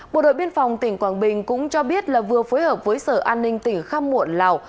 bộ đội biên phòng tỉnh quảng bình cũng cho biết là vừa phối hợp với sở an ninh tỉnh khăm muộn lào